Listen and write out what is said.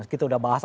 kita sudah bahas